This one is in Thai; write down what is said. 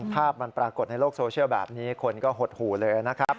ภาพมันปรากฏในโลกโซเชียลแบบนี้คนก็หดหูเลยนะครับ